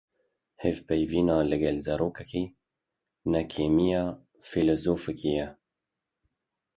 Hevpeyvîna li gel zarokekî, ne kêmî ya fîlozofekî ye.